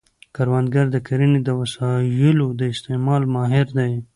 کروندګر د کرنې د وسایلو د استعمال ماهر دی